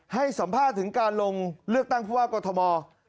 อ๋อให้สัมภาษณ์ถึงการลงเลือกตั้งภูมิว่ากฎธมอล์